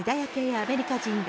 アメリカ人ら